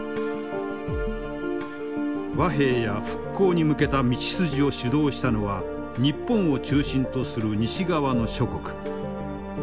和平や復興に向けた道筋を主導したのは日本を中心とする西側の諸国。